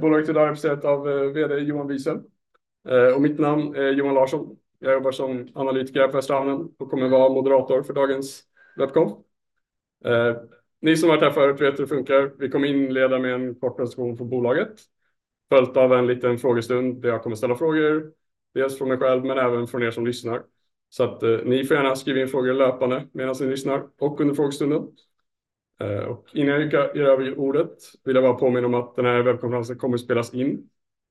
Bolaget idag är representerat av VD Johan Wiesel, och mitt namn är Johan Larsson. Jag jobbar som analytiker här på Västra Hamnen och kommer vara moderator för dagens webbkonferens. Ni som har varit här förut vet hur det funkar: vi kommer inleda med en kort presentation från bolaget, följt av en liten frågestund där jag kommer ställa frågor, dels från mig själv men även från dem som lyssnar, så att ni får gärna skriva in frågor löpande medan ni lyssnar och under frågestunden. Innan jag ger över ordet vill jag bara påminna om att den här webbkonferensen kommer spelas in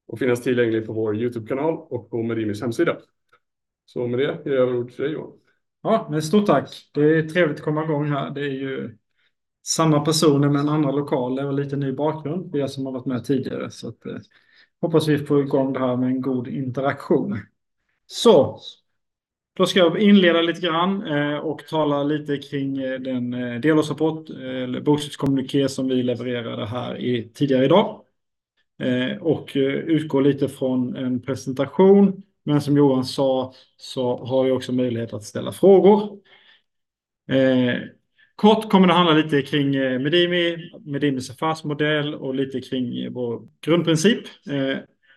och finnas tillgänglig på vår YouTube-kanal och på Medimys hemsida. Så med det ger jag över ordet till dig, Johan. Ja, men stort tack. Det är trevligt att komma igång här. Det är ju samma personer men andra lokaler och lite ny bakgrund, vi som har varit med tidigare, så att hoppas vi får igång det här med en god interaktion. Så, då ska jag inleda lite grann, och tala lite kring den delårsrapport, eller bokslutskommuniké som vi levererade här tidigare idag, och utgå lite från en presentation. Men som Johan sa så har vi också möjlighet att ställa frågor. Kort kommer det handla lite kring Medimy, Medimys affärsmodell och lite kring vår grundprincip.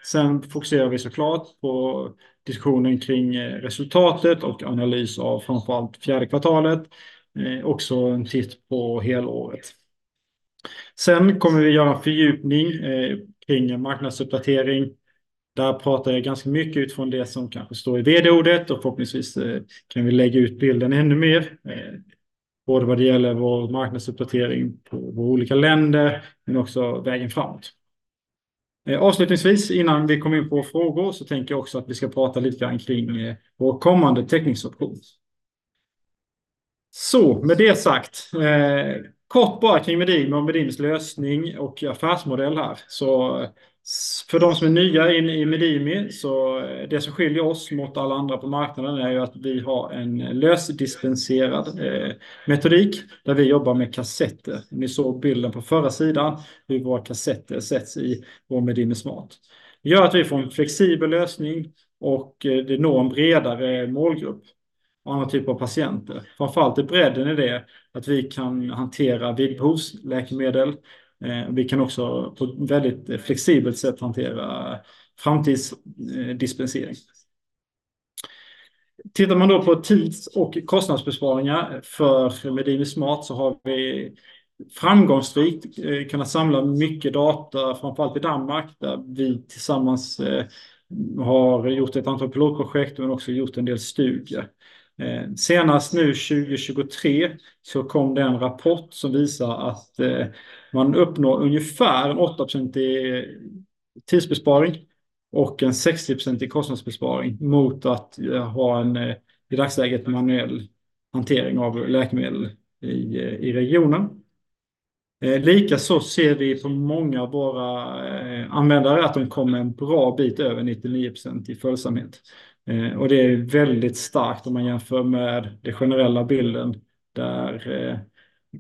Sen fokuserar vi såklart på diskussionen kring resultatet och analys av framförallt fjärde kvartalet, också en titt på helåret. Sen kommer vi göra en fördjupning kring en marknadsuppdatering. Där pratar jag ganska mycket utifrån det som kanske står i VD-ordet, och förhoppningsvis kan vi lägga ut bilden ännu mer, både vad det gäller vår marknadsuppdatering på våra olika länder men också vägen fram. Avslutningsvis, innan vi kommer in på frågor, tänker jag också att vi ska prata lite grann kring vår kommande teckningsoption. Med det sagt, kort bara kring Medimy och Medimys lösning och affärsmodell här. För de som är nya in i Medimy, det som skiljer oss mot alla andra på marknaden är ju att vi har en lösdispenserad metodik där vi jobbar med kassetter. Ni såg bilden på förra sidan, hur våra kassetter sätts i vår Medimy Smart. Det gör att vi får en flexibel lösning och det når en bredare målgrupp av andra typer av patienter. Framförallt är bredden i det att vi kan hantera vidbehovsläkemedel, vi kan också på ett väldigt flexibelt sätt hantera framtidsdispensering. Tittar man då på tids- och kostnadsbesparingar för Medimy Smart så har vi framgångsrikt kunnat samla mycket data, framförallt i Danmark, där vi tillsammans har gjort ett antal pilotprojekt men också gjort en del studier. Senast nu 2023 så kom det en rapport som visar att man uppnår ungefär en 8% tidsbesparing och en 60% kostnadsbesparing mot att ha en, i dagsläget, manuell hantering av läkemedel i regionen. Likaså ser vi på många av våra användare att de kommer en bra bit över 99% följsamhet, och det är väldigt starkt om man jämför med den generella bilden där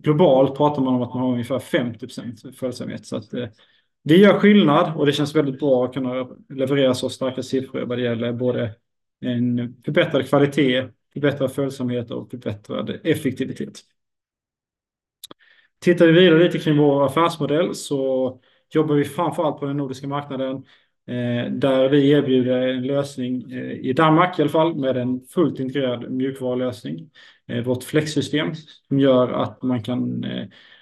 globalt pratar man om att man har ungefär 50% följsamhet. Så att det gör skillnad och det känns väldigt bra att kunna leverera så starka siffror vad det gäller både en förbättrad kvalitet, förbättrad följsamhet och förbättrad effektivitet. Tittar vi vidare lite kring vår affärsmodell så jobbar vi framförallt på den nordiska marknaden, där vi erbjuder en lösning, i Danmark i alla fall med en fullt integrerad mjukvarulösning, vårt Flex-system som gör att man kan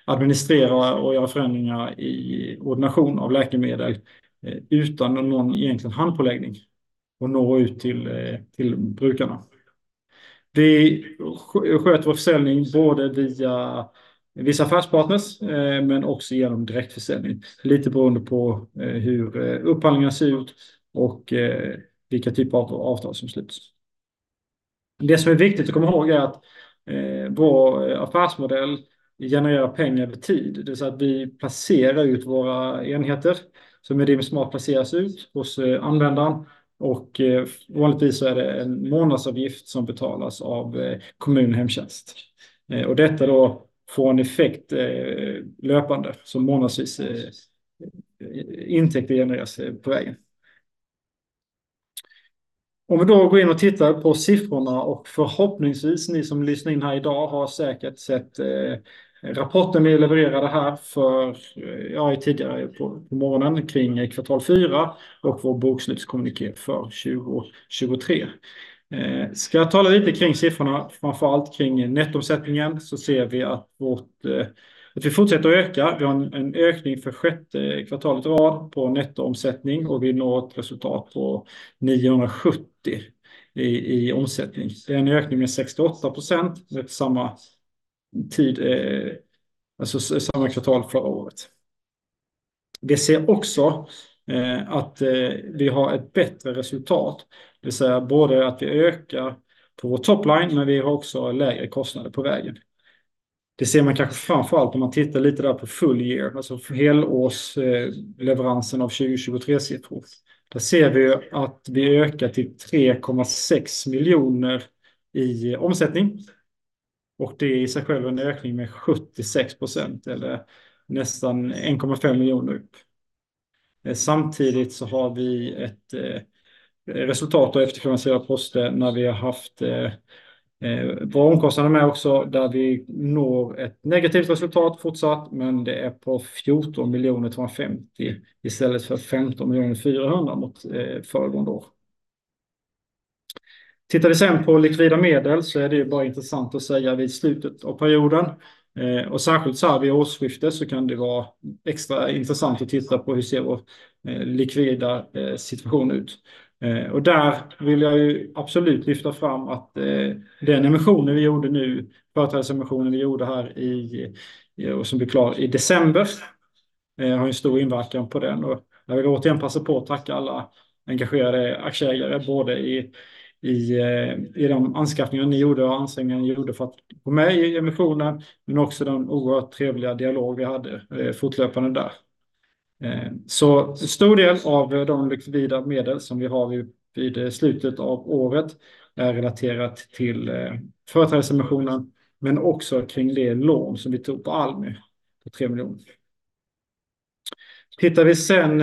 administrera och göra förändringar i ordination av läkemedel, utan någon egentligen handpåläggning och nå ut till brukarna. Vi sköter vår försäljning både via vissa affärspartners, men också genom direktförsäljning, lite beroende på hur upphandlingarna ser ut och vilka typer av avtal som sluts. Det som är viktigt att komma ihåg är att vår affärsmodell genererar pengar över tid, det vill säga att vi placerar ut våra enheter som Medimy Smart placeras ut hos användaren och vanligtvis så är det en månadsavgift som betalas av kommun och hemtjänst. Detta får en effekt, löpande som månadsvis intäkter genereras på vägen. Om vi går in och tittar på siffrorna och förhoppningsvis ni som lyssnar in här idag har säkert sett rapporten vi levererade här för, tidigare på morgonen kring kvartal fyra och vår bokslutskommuniké för 2023. Ska jag tala lite kring siffrorna, framförallt kring nettomsättningen, så ser vi att vi fortsätter att öka. Vi har en ökning för sjätte kvartalet i rad på nettoomsättning och vi når ett resultat på 970 i omsättning. Det är en ökning med 68% mot samma tid, alltså samma kvartal förra året. Vi ser också att vi har ett bättre resultat, det vill säga både att vi ökar på vår topline men vi har också lägre kostnader på vägen. Det ser man kanske framförallt om man tittar lite där på full year, alltså helårsleveransen av 2023-siffror. Där ser vi ju att vi ökar till 3,6 miljoner i omsättning och det är i sig själv en ökning med 76% eller nästan 1,5 miljoner upp. Samtidigt så har vi ett resultat av efterfinansierade poster när vi har haft, våra omkostnader med också där vi når ett negativt resultat fortsatt men det är på 14 250 istället för 15 400 mot föregående år. Tittar vi sen på likvida medel så är det ju bara intressant att säga vid slutet av perioden, och särskilt så här vid årsskifte så kan det vara extra intressant att titta på hur ser vår likvida situation ut. Där vill jag ju absolut lyfta fram att den emissionen vi gjorde nu, företagsemissionen vi gjorde här i, och som blev klar i december, har ju en stor inverkan på den. Jag vill återigen passa på att tacka alla engagerade aktieägare både i de anskaffningar ni gjorde och ansträngningar ni gjorde för att gå med i emissionen men också den oerhört trevliga dialog vi hade fortlöpande där. Stor del av de likvida medel som vi har vid slutet av året är relaterat till företagsemissionen men också kring det lån som vi tog på Almi på 3 miljoner. Tittar vi sen,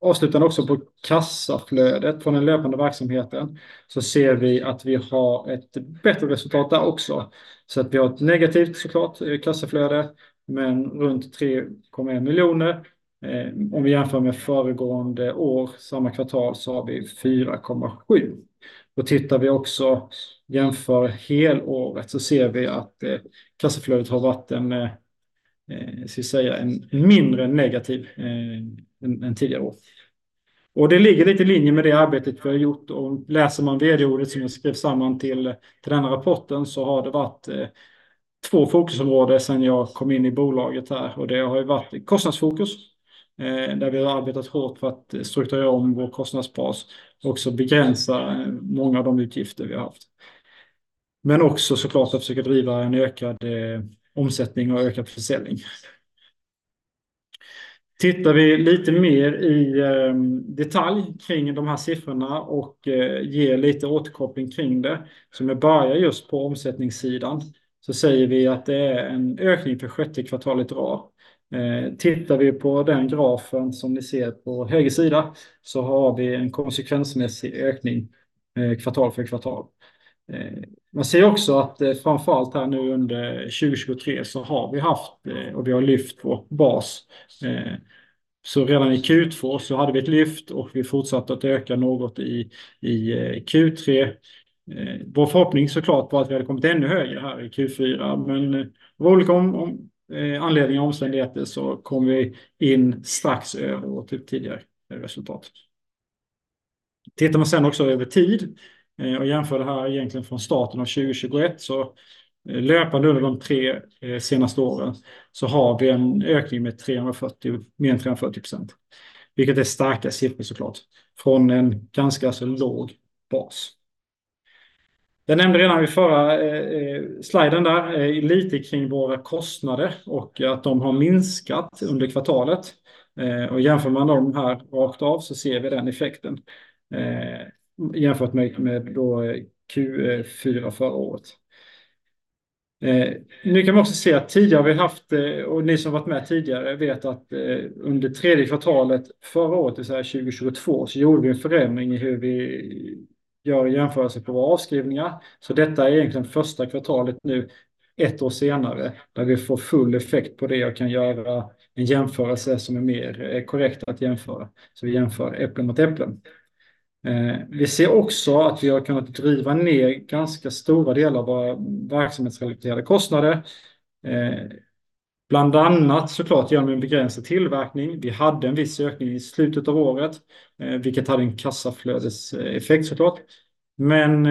avslutande också på kassaflödet från den löpande verksamheten så ser vi att vi har ett bättre resultat där också. Vi har ett negativt kassaflöde men runt 3,1 miljoner. Om vi jämför med föregående år, samma kvartal, så har vi 4,7. Tittar vi också, jämför helåret, så ser vi att kassaflödet har varit mindre negativt än tidigare år. Det ligger lite i linje med det arbetet vi har gjort. Läser man VD-ordet som jag skrev samman till denna rapporten så har det varit två fokusområden sedan jag kom in i bolaget här. Det har ju varit kostnadsfokus, där vi har arbetat hårt för att strukturera om vår kostnadsbas och också begränsa många av de utgifter vi har haft. Men också att försöka driva en ökad omsättning och ökad försäljning. Tittar vi lite mer i detalj kring de här siffrorna och ger lite återkoppling kring det, så om jag börjar just på omsättningssidan så säger vi att det är en ökning för sjätte kvartalet i rad. Tittar vi på den grafen som ni ser på höger sida så har vi en konsekvensmässig ökning, kvartal för kvartal. Man ser också att framförallt här nu under 2023 så har vi haft, och vi har lyft vår bas, så redan i Q2 så hade vi ett lyft och vi fortsatte att öka något i Q3. Vår förhoppning såklart var att vi hade kommit ännu högre här i Q4, men av olika anledningar och omständigheter så kom vi in strax över vårt tidigare resultat. Tittar man sen också över tid, och jämför det här egentligen från starten av 2021 så, löpande under de tre senaste åren så har vi en ökning med 340, mer än 340%. Vilket är starka siffror såklart, från en ganska så låg bas. Jag nämnde redan vid förra sliden där, lite kring våra kostnader och att de har minskat under kvartalet. Jämför man de här rakt av så ser vi den effekten, jämfört med Q4 förra året. Nu kan man också se att tidigare har vi haft, och ni som har varit med tidigare vet att under tredje kvartalet förra året, det vill säga 2022, så gjorde vi en förändring i hur vi gör jämförelser på våra avskrivningar. Detta är egentligen första kvartalet nu, ett år senare, där vi får full effekt på det och kan göra en jämförelse som är mer korrekt att jämföra. Vi jämför äpplen mot äpplen. Vi ser också att vi har kunnat driva ner ganska stora delar av våra verksamhetsrelaterade kostnader, bland annat genom en begränsad tillverkning. Vi hade en viss ökning i slutet av året, vilket hade en kassaflödeseffekt. Men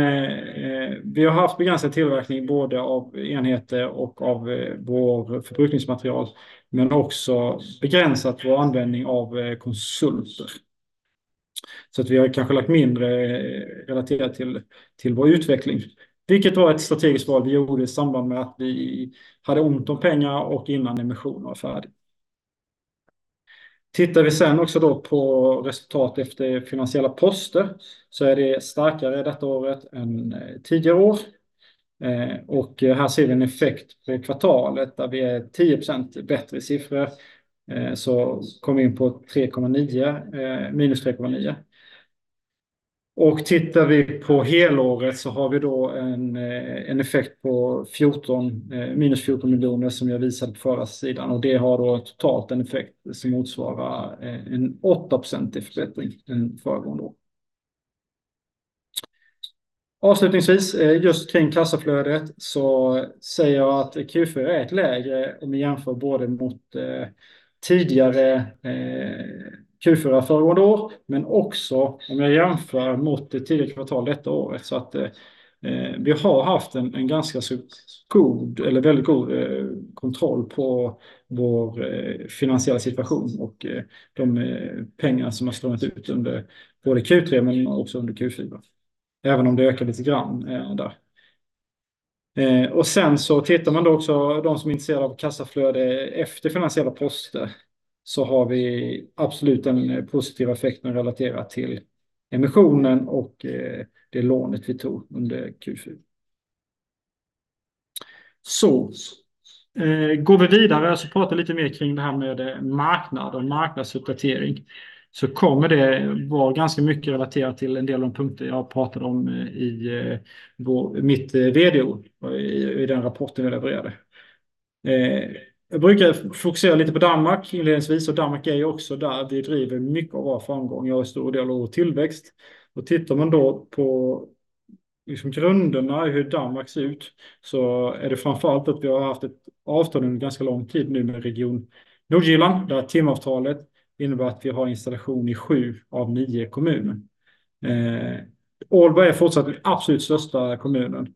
vi har haft begränsad tillverkning både av enheter och av vårt förbrukningsmaterial, men också begränsat vår användning av konsulter. Vi har kanske lagt mindre relaterat till vår utveckling, vilket var ett strategiskt val vi gjorde i samband med att vi hade ont om pengar och innan emissionen var färdig. Tittar vi på resultat efter finansiella poster är det starkare detta året än tidigare år. Här ser vi en effekt på kvartalet där vi är 10% bättre i siffror. Vi kom in på minus 3,9. Och tittar vi på helåret så har vi då en effekt på minus 14 miljoner som jag visade på förra sidan. Det har då totalt en effekt som motsvarar en 8% förbättring än föregående år. Avslutningsvis, just kring kassaflödet så säger jag att Q4 är ett lägre om vi jämför både mot tidigare Q4 föregående år, men också om jag jämför mot det tidigare kvartalet detta året. Vi har haft en ganska så god eller väldigt god kontroll på vår finansiella situation och de pengarna som har strömmat ut under både Q3 men också under Q4. Även om det ökade lite grann där. Sen så tittar man då också, de som är intresserade av kassaflöde efter finansiella poster, så har vi absolut en positiv effekt nu relaterat till emissionen och det lånet vi tog under Q4. Går vi vidare så pratar jag lite mer kring det här med marknad och marknadsuppdatering. Det kommer att vara ganska mycket relaterat till en del av de punkter jag pratade om i mitt VD-ord i den rapporten jag levererade. Jag brukar fokusera lite på Danmark inledningsvis och Danmark är ju också där vi driver mycket av vår framgång och en stor del av vår tillväxt. Tittar man då på grunderna i hur Danmark ser ut så är det framförallt att vi har haft ett avtal under ganska lång tid nu med Region Nordjylland där timavtalet innebär att vi har installation i sju av nio kommuner. Aalborg är fortsatt den absolut största kommunen.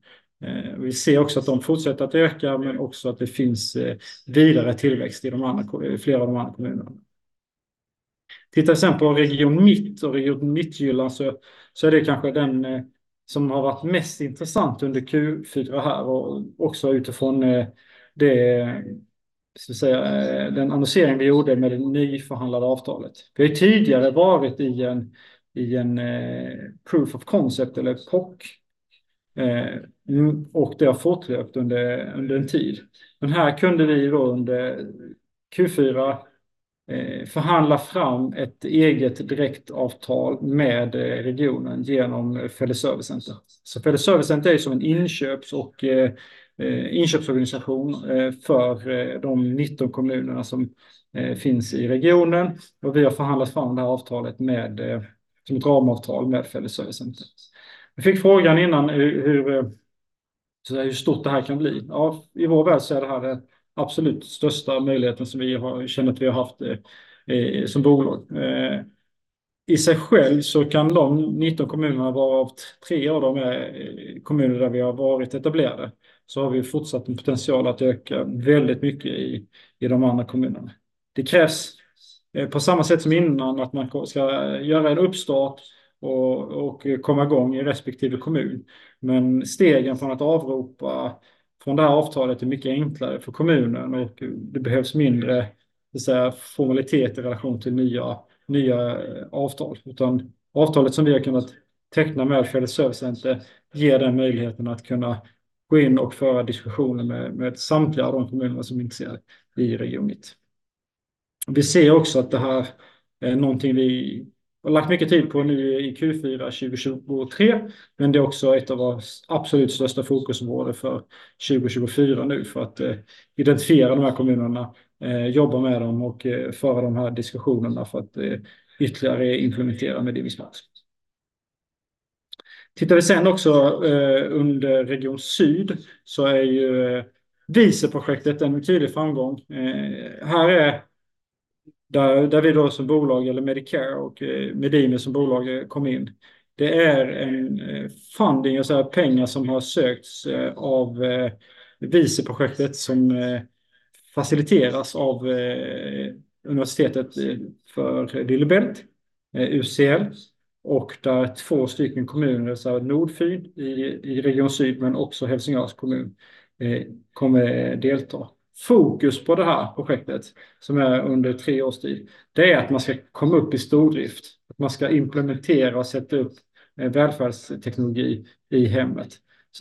Vi ser också att de fortsätter att öka men också att det finns vidare tillväxt i de andra, flera av de andra kommunerna. Tittar vi sen på Region Mitt och Region Mittjylland så är det kanske den som har varit mest intressant under Q4 här och också utifrån det, ska vi säga, den annonseringen vi gjorde med det nyförhandlade avtalet. Vi har ju tidigare varit i en proof of concept eller POC, och det har fortlöpt under en tid. Men här kunde vi ju då under Q4 förhandla fram ett eget direktavtal med regionen genom Felix Servicecenter. Felix Servicecenter är ju som en inköps- och inköpsorganisation för de 19 kommunerna som finns i regionen och vi har förhandlat fram det här avtalet som ett ramavtal med Felix Servicecenter. Vi fick frågan innan hur stort det här kan bli. Ja, i vår värld så är det här den absolut största möjligheten som vi har känner att vi har haft som bolag. I sig själv så kan de 19 kommunerna vara av tre av de är kommuner där vi har varit etablerade. Så har vi ju fortsatt en potential att öka väldigt mycket i de andra kommunerna. Det krävs, på samma sätt som innan att man ska göra en uppstart och komma igång i respektive kommun. Men steget från att avropa från det här avtalet är mycket enklare för kommunen och det behövs mindre, så att säga, formalitet i relation till nya avtal. Utan avtalet som vi har kunnat teckna med Felix Servicecenter ger den möjligheten att kunna gå in och föra diskussioner med samtliga av de kommunerna som är intresserade i Region Mitt. Vi ser också att det här är någonting vi har lagt mycket tid på nu i Q4 2023, men det är också ett av våra absolut största fokusområden för 2024 nu för att identifiera de här kommunerna, jobba med dem och föra de här diskussionerna för att ytterligare implementera med det vi smart. Tittar vi sen också, under Region Syd så är ju VISE-projektet en tydlig framgång. Här är där vi då som bolag, eller Medicare och Medime som bolag, kom in. Det är en funding, alltså pengar som har sökts av VISE-projektet som faciliteras av Universitetet för Lillebælt, UCL, och där två stycken kommuner, så här Nordfyn i Region Syd men också Helsingörs kommun, kommer delta. Fokus på det här projektet som är under tre års tid, det är att man ska komma upp i stordrift. Att man ska implementera och sätta upp välfärdsteknologi i hemmet.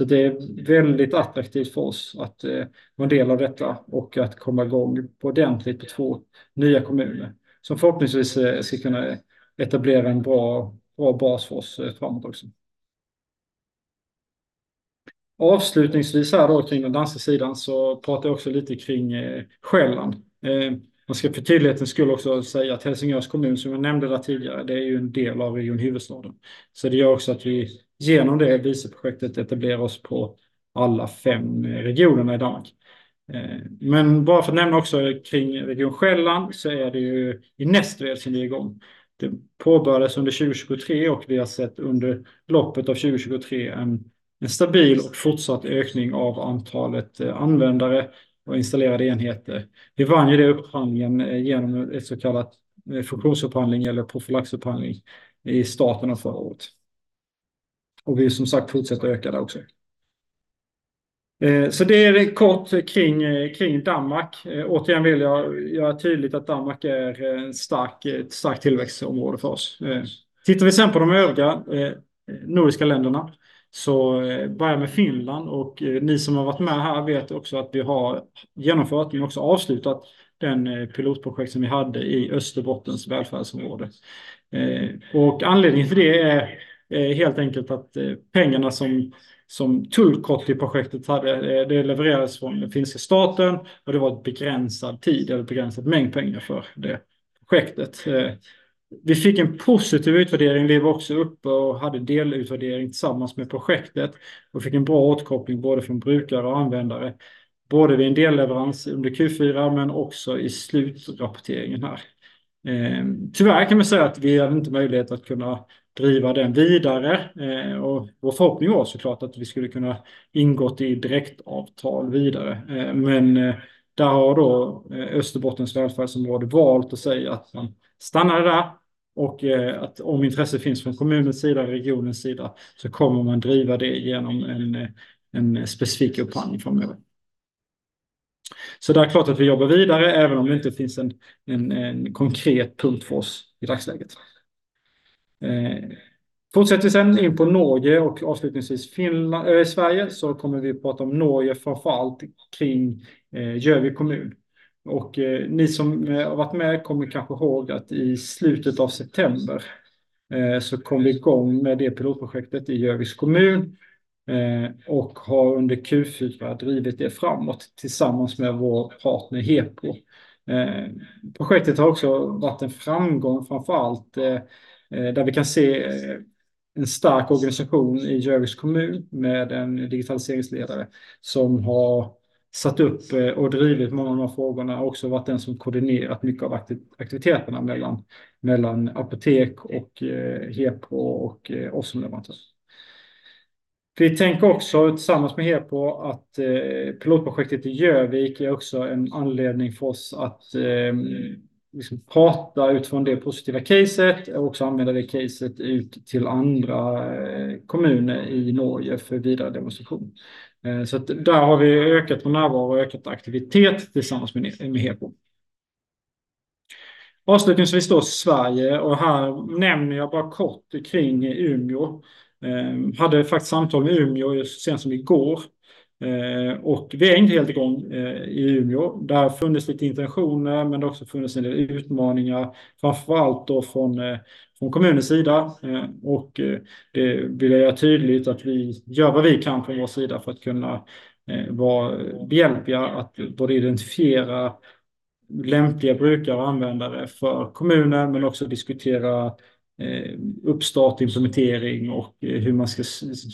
Det är väldigt attraktivt för oss att vara en del av detta och att komma igång ordentligt på två nya kommuner, som förhoppningsvis ska kunna etablera en bra bas för oss framåt också. Avslutningsvis här kring den danska sidan pratar jag också lite kring Själland. Man ska för tydlighetens skull också säga att Helsingörs kommun, som jag nämnde tidigare, det är ju en del av regionhuvudstaden. Det gör också att vi genom det VISE-projektet etablerar oss på alla fem regionerna i Danmark. Men bara för att nämna också kring region Själland så är det ju i Nästved som vi är igång. Det påbörjades under 2023 och vi har sett under loppet av 2023 en stabil och fortsatt ökning av antalet användare och installerade enheter. Vi vann ju det i upphandlingen genom en så kallad funktionsupphandling eller prophylaxupphandling i starten av förra året. Och vi har som sagt fortsatt att öka där också. Så det är kort kring Danmark. Återigen vill jag göra tydligt att Danmark är ett starkt tillväxtområde för oss. Tittar vi sen på de övriga nordiska länderna så börjar jag med Finland. Ni som har varit med här vet också att vi har genomfört men också avslutat den pilotprojekt som vi hade i Österbottens välfärdsområde. Anledningen till det är helt enkelt att pengarna som tillkom i projektet hade, det levererades från den finska staten och det var en begränsad tid eller begränsad mängd pengar för det projektet. Vi fick en positiv utvärdering, vi var också uppe och hade delutvärdering tillsammans med projektet och fick en bra återkoppling både från brukare och användare. Både vid en delleverans under Q4 men också i slutrapporteringen här. Tyvärr kan man säga att vi hade inte möjlighet att kunna driva den vidare. Vår förhoppning var såklart att vi skulle kunna ingått i direktavtal vidare. Men där har då Österbottens välfärdsområde valt att säga att man stannade där och att om intresse finns från kommunens sida, regionens sida så kommer man driva det genom en specifik upphandling framöver. Det är klart att vi jobbar vidare även om det inte finns en konkret punkt för oss i dagsläget. Fortsätter vi sen in på Norge och avslutningsvis Finland, Sverige, så kommer vi att prata om Norge framförallt kring Gjövik kommun. Ni som har varit med kommer kanske ihåg att i slutet av september, så kom vi igång med det pilotprojektet i Gjöviks kommun, och har under Q4 drivit det framåt tillsammans med vår partner Hepro. Projektet har också varit en framgång framförallt, där vi kan se en stark organisation i Gjöviks kommun med en digitaliseringsledare som har satt upp och drivit många av de här frågorna och också varit den som koordinerat mycket av aktiviteterna mellan apotek och Hepro och oss som leverantörer. Vi tänker också tillsammans med Hepro att pilotprojektet i Gjövik är också en anledning för oss att prata utifrån det positiva caset och också använda det caset ut till andra kommuner i Norge för vidare demonstration. Där har vi ökat vår närvaro och ökat aktivitet tillsammans med Hepro. Avslutningsvis då Sverige, och här nämner jag bara kort kring Umeå. Hade faktiskt samtal med Umeå just sen som igår. Vi har inte helt igång i Umeå. Där har funnits lite intentioner, men det har också funnits en del utmaningar. Framförallt då från kommunens sida. Och det vill jag göra tydligt att vi gör vad vi kan från vår sida för att kunna vara behjälpliga att både identifiera lämpliga brukare och användare för kommunen, men också diskutera uppstart, implementering och hur man ska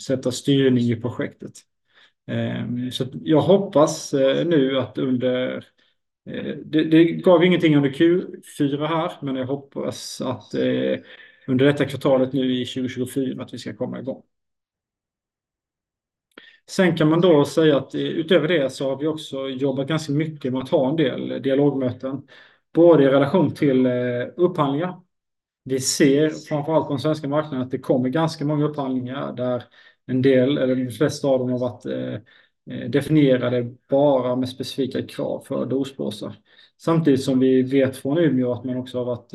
sätta styrning i projektet. Så jag hoppas nu att under, det gav ju ingenting under Q4 här, men jag hoppas att under detta kvartalet nu i 2024 att vi ska komma igång. Sen kan man då säga att utöver det så har vi också jobbat ganska mycket med att ha en del dialogmöten. Både i relation till upphandlingar. Vi ser framförallt på den svenska marknaden att det kommer ganska många upphandlingar där en del, eller de flesta av dem, har varit definierade bara med specifika krav för dospåsar. Samtidigt som vi vet från Umeå att man också har varit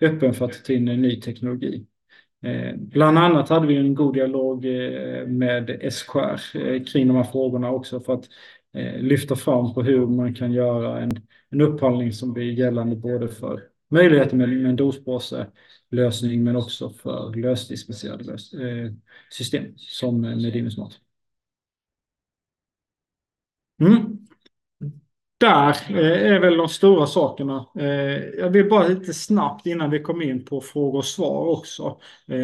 öppen för att ta in en ny teknologi. Bland annat hade vi ju en god dialog med SKR kring de här frågorna också för att lyfta fram på hur man kan göra en upphandling som blir gällande både för möjligheter med en dospåselösning men också för lösningsbaserade system som Medime Smart. Där är väl de stora sakerna. Jag vill bara lite snabbt innan vi kommer in på frågor och svar också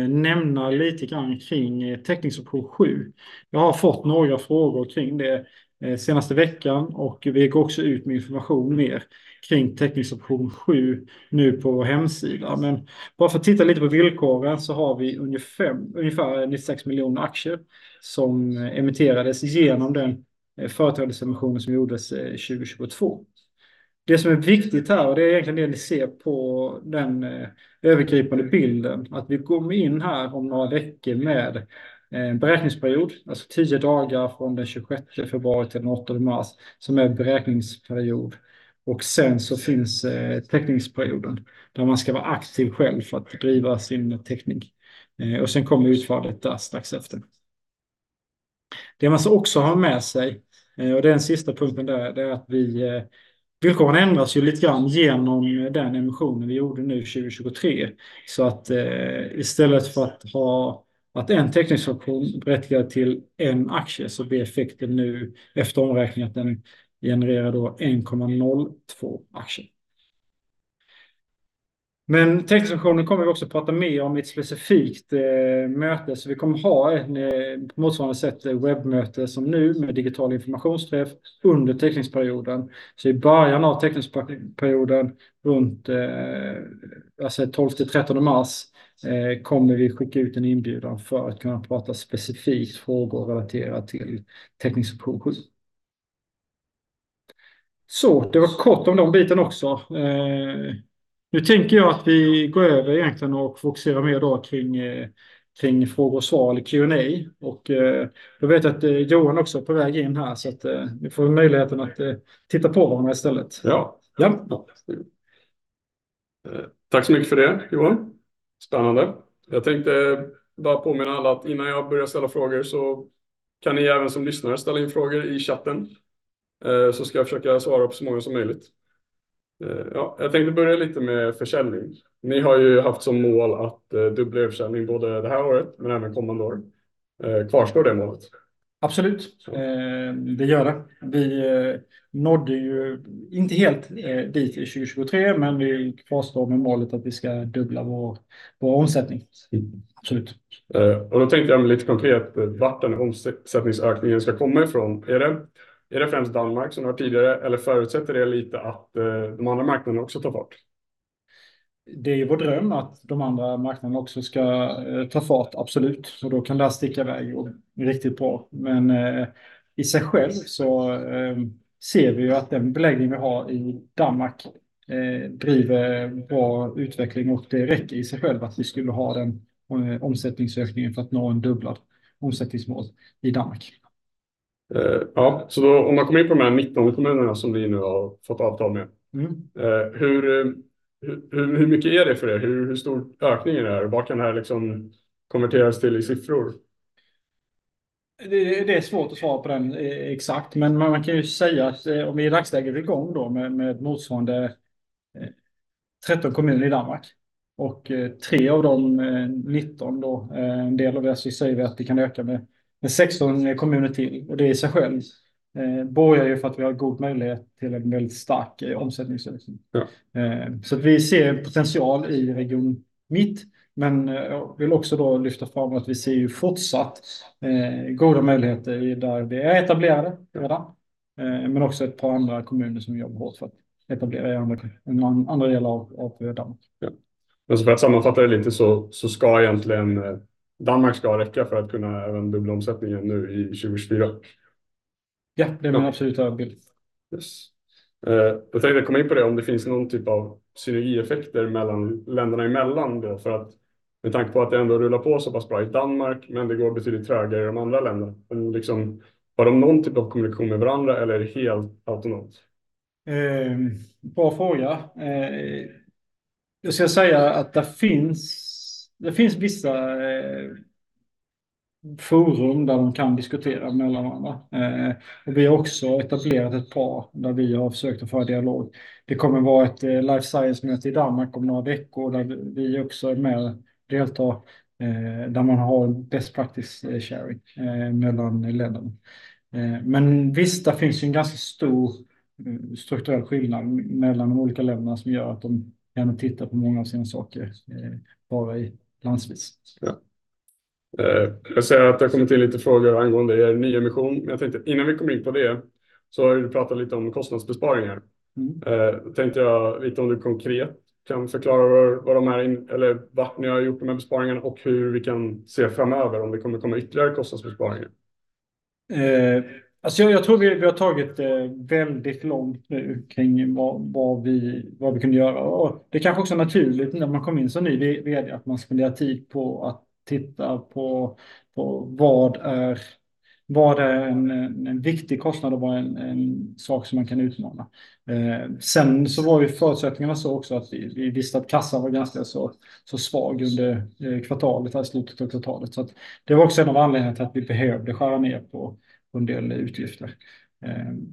nämna lite grann kring täckningsoption 7. Jag har fått några frågor kring det senaste veckan och vi går också ut med information mer kring täckningsoption 7 nu på vår hemsida. Men bara för att titta lite på villkoren så har vi ungefär 96 miljoner aktier som emitterades genom den företrädesemissionen som gjordes 2022. Det som är viktigt här, och det är egentligen det ni ser på den övergripande bilden, att vi kommer in här om några veckor med en beräkningsperiod, alltså 10 dagar från den 26 februari till den 8 mars, som är beräkningsperiod. Och sen så finns täckningsperioden där man ska vara aktiv själv för att driva sin täckning. Och sen kommer utfallet där strax efter. Det man ska också ha med sig, och det är den sista punkten där, det är att villkoren ändras ju lite grann genom den emissionen vi gjorde nu 2023. Så att istället för att ha att en täckningsoption berättigar till en aktie, så blir effekten nu efter omräkning att den genererar då 1,02 aktier. Men täckningsoptionen kommer vi också prata mer om i ett specifikt möte. Så vi kommer ha ett på motsvarande sätt webbmöte som nu med digital informationsträff under täckningsperioden. Så i början av täckningsperioden runt, alltså 12-13 mars, kommer vi skicka ut en inbjudan för att kunna prata specifikt frågor relaterat till täckningsoption 7. Det var kort om den biten också. Nu tänker jag att vi går över egentligen och fokuserar mer då kring frågor och svar eller Q&A. Då vet jag att Johan också är på väg in här så att vi får möjligheten att titta på varandra istället. Ja, tack så mycket för det Johan. Spännande. Jag tänkte bara påminna alla att innan jag börjar ställa frågor så kan ni även som lyssnare ställa in frågor i chatten. Jag ska försöka svara på så många som möjligt. Jag tänkte börja lite med försäljning. Ni har ju haft som mål att dubbla försäljning både det här året men även kommande år. Kvarstår det målet? Absolut, det gör det. Vi nådde ju inte helt dit i 2023, men vi kvarstår med målet att vi ska dubbla vår omsättning. Absolut. Då tänkte jag lite konkret var den här omsättningsökningen ska komma ifrån. Är det främst Danmark som du har tidigare, eller förutsätter det lite att de andra marknaderna också tar fart? Det är ju vår dröm att de andra marknaderna också ska ta fart, absolut. Då kan det här sticka iväg riktigt bra. Men i sig själv så ser vi ju att den beläggning vi har i Danmark driver bra utveckling, och det räcker i sig själv att vi skulle ha den omsättningsökningen för att nå en dubblad omsättningsmål i Danmark. Ja, så då om man kommer in på de här 19 kommunerna som vi nu har fått avtal med. Hur mycket är det för hur stor ökning är det här och vad kan det här konverteras till i siffror? Det är svårt att svara på den exakt, men man kan ju säga att om vi i dagsläget är igång med ett motsvarande 13 kommuner i Danmark och tre av de 19, en del av det, så säger vi att vi kan öka med 16 kommuner till. Och det i sig själv börjar ju för att vi har god möjlighet till en väldigt stark omsättningsökning. Så vi ser en potential i Region Mitt, men jag vill också lyfta fram att vi ser ju fortsatt goda möjligheter där vi är etablerade redan, men också ett par andra kommuner som jobbar hårt för att etablera i andra delar av Danmark. Ja, men så för att sammanfatta det lite så ska egentligen Danmark räcka för att kunna även dubbla omsättningen nu i 2024? Ja, det är min absoluta bild. Yes, då tänkte jag komma in på det om det finns någon typ av synergieffekter mellan länderna emellan då. För att med tanke på att det ändå rullar på så pass bra i Danmark men det går betydligt trögare i de andra länderna. Men liksom, har de någon typ av kommunikation med varandra eller är det helt autonomt? Bra fråga. Jag ska säga att det finns vissa forum där de kan diskutera mellan varandra. Vi har också etablerat ett par där vi har försökt att föra dialog. Det kommer vara ett life science-möte i Danmark om några veckor där vi också är med och deltar, där man har en best practice sharing mellan länderna. Men visst, det finns ju en ganska stor strukturell skillnad mellan de olika länderna som gör att de gärna tittar på många av sina saker bara i landsvis. Ja, jag ser att det har kommit in lite frågor angående nyemission. Men jag tänkte, innan vi kommer in på det så har ju du pratat lite om kostnadsbesparingar. Då tänkte jag veta om du konkret kan förklara vad de är eller var ni har gjort de här besparingarna och hur vi kan se framöver om det kommer komma ytterligare kostnadsbesparingar. Alltså, jag tror vi har tagit väldigt långt nu kring vad vi kunde göra. Och det kanske också är naturligt när man kommer in som ny VD att man spenderar tid på att titta på vad är en viktig kostnad och vad är en sak som man kan utmana. Sen så var ju förutsättningarna så också att vi visste att kassan var ganska så svag under kvartalet, här i slutet av kvartalet. Så det var också en av anledningarna till att vi behövde skära ner på en del utgifter.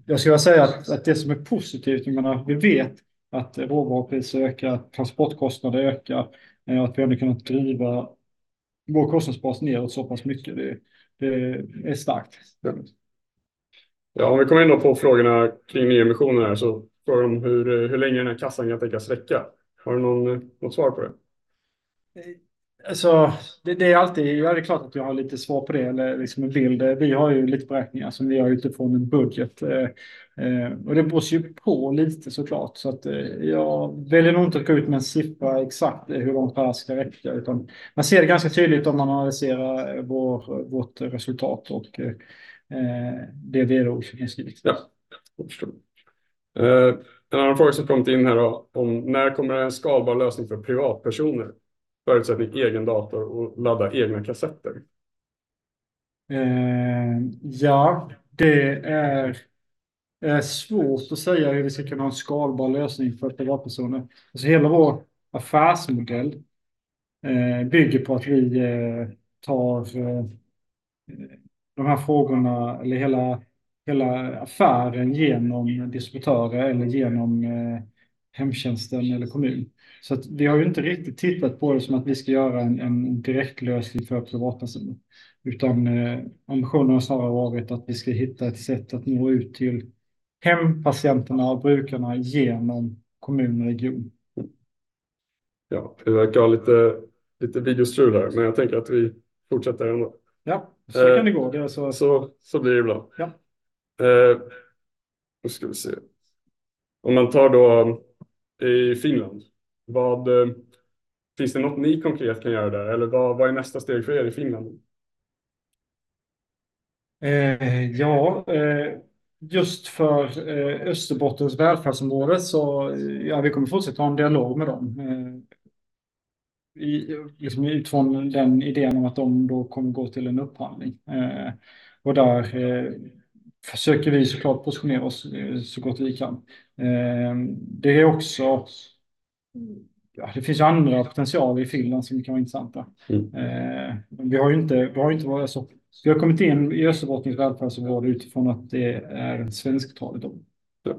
Jag ska bara säga att det som är positivt, jag menar, vi vet att råvarupriser ökar, transportkostnader ökar och att vi ändå kunnat driva vår kostnadsbas neråt så pass mycket. Det är starkt. Om vi kommer in då på frågorna kring nyemissionen här så frågar de hur länge den här kassan kan tänkas räcka. Har du något svar på det? Det är alltid, ja, det är klart att jag har lite svar på det eller en bild. Vi har ju lite beräkningar som vi gör utifrån en budget, och det beror ju på lite såklart. Så jag väljer nog inte att gå ut med en siffra exakt hur långt det här ska räcka. Utan man ser det ganska tydligt om man analyserar vårt resultat och det vi då också kan skriva. Ja, jag förstår. En annan fråga som har kommit in här då om när kommer det en skalbar lösning för privatpersoner? Förutsättning egen dator och ladda egna kassetter. Ja, det är svårt att säga hur vi ska kunna ha en skalbar lösning för privatpersoner. Alltså, hela vår affärsmodell bygger på att vi tar de här frågorna eller hela affären genom distributörer eller genom hemtjänsten eller kommun. Så vi har ju inte riktigt tittat på det som att vi ska göra en direktlösning för privatpersoner. Utan ambitionen har snarare varit att vi ska hitta ett sätt att nå ut till hempatienterna och brukarna genom kommun och region. Ja, det verkar vara lite videostrul här, men jag tänker att vi fortsätter ändå. Ja, så kan det gå. Det är så. Så blir det bra. Ja, nu ska vi se. Om man tar då i Finland, vad finns det något ni konkret kan göra där eller vad är nästa steg för i Finland? Ja, just för Österbottens välfärdsområde så ja, vi kommer fortsätta ha en dialog med dem utifrån den idén om att de då kommer gå till en upphandling. Där försöker vi såklart positionera oss så gott vi kan. Det är också, ja, det finns ju andra potentialer i Finland som kan vara intressanta. Men vi har ju inte, vi har ju inte varit så. Vi har kommit in i Österbottens välfärdsområde utifrån att det är svensktaligt då. Ja.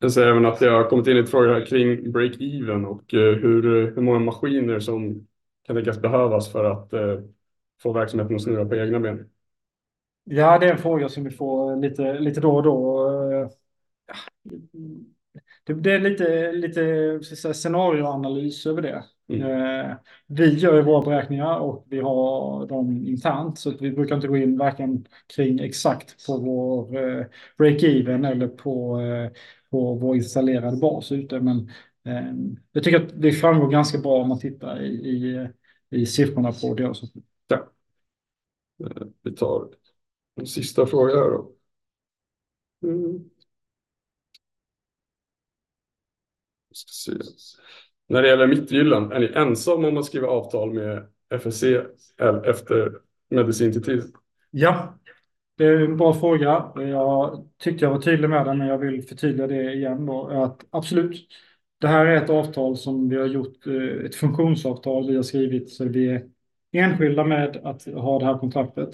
Jag ser även att det har kommit in lite frågor här kring break-even och hur många maskiner som kan tänkas behövas för att få verksamheten att snurra på egna ben. Ja, det är en fråga som vi får lite då och då. Ja, det är lite så att säga scenarioanalys över det. Vi gör ju våra beräkningar och vi har dem internt så att vi brukar inte gå in varken kring exakt på vår break-even eller på vår installerade bas ute. Men jag tycker att det framgår ganska bra om man tittar i siffrorna på det och så. Ja. Vi tar en sista fråga här då. Ska se. När det gäller Mittgyllan, är ni ensamma om att skriva avtal med FSC eller efter medicintillträdet? Ja, det är en bra fråga. Jag tyckte jag var tydlig med den, men jag vill förtydliga det igen då. Att absolut, det här är ett avtal som vi har gjort, ett funktionsavtal vi har skrivit. Så vi är ensamma med att ha det här kontraktet.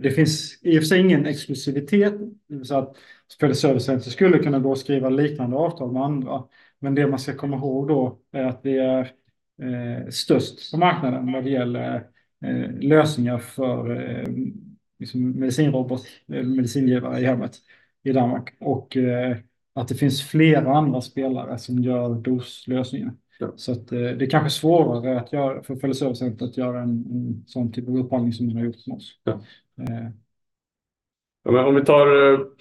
Det finns i och för sig ingen exklusivitet. Det vill säga att Special Service Center skulle kunna gå och skriva liknande avtal med andra. Men det man ska komma ihåg då är att vi är störst på marknaden vad det gäller lösningar för medicinrobot eller medicingivare i hemmet i Danmark. Och att det finns flera andra spelare som gör doslösningen. Så det kanske är svårare att göra för Special Service Center att göra en sådan typ av upphandling som man har gjort med oss. Ja, men om vi tar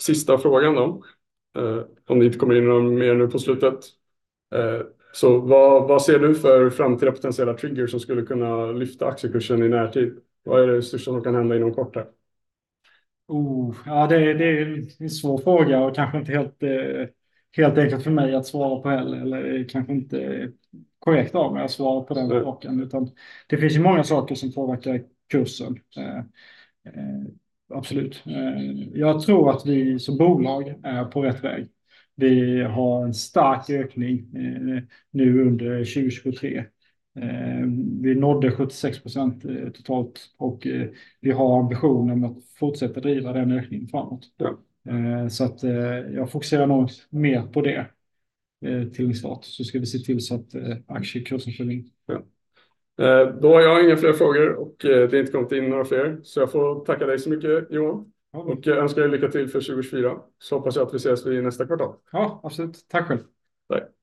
sista frågan då, om ni inte kommer in några mer nu på slutet. Så vad ser du för framtida potentiella triggers som skulle kunna lyfta aktiekursen i närtid? Vad är det största som kan hända inom kort här? Ja, det är en svår fråga och kanske inte helt enkelt för mig att svara på heller. Det är kanske inte korrekt av mig att svara på den frågan. Det finns ju många saker som påverkar kursen. Absolut. Jag tror att vi som bolag är på rätt väg. Vi har en stark ökning nu under 2023. Vi nådde 76% totalt och vi har ambitionen att fortsätta driva den ökningen framåt. Så att jag fokuserar nog mer på det till en start. Så ska vi se till så att aktiekursen följer med. Då har jag inga fler frågor och det har inte kommit in några fler. Så jag får tacka dig så mycket, Johan. Och önska dig lycka till för 2024. Så hoppas jag att vi ses vid nästa kvartal. Ja, absolut. Tack själv. Tack.